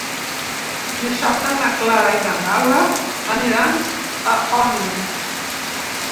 Dissabte na Clara i na Gal·la aniran a Onil.